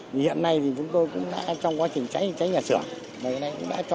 hiện nay thì chúng tôi cũng đã trong quá trình cháy nhà sửa